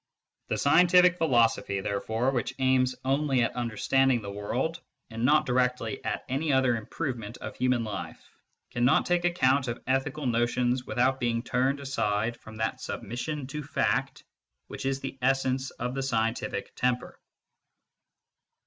The scientific philosophy, therefore, which aims only at understanding the world and not directly at any other improvement of human life, cannot take account of ethical notions without being turned aside from that submission to fact which is the essence of the scientific temper.